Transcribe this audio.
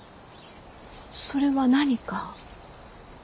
それは何か。